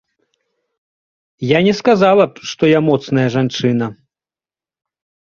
Я не сказала б, што я моцная жанчына.